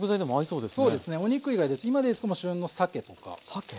そうですねお肉以外ですと今ですと旬のさけとかさけ。